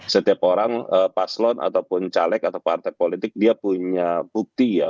setiap orang paslon ataupun caleg atau partai politik dia punya bukti ya